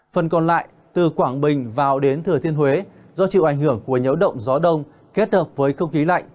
phần còn lại từ quảng bình vào đến thừa thiên huế do chịu ảnh hưởng của nhiễu động gió đông kết hợp với không khí lạnh